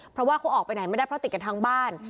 เพราะว่าเขาออกไปไหนไม่ได้เพราะติดกันทั้งบ้าน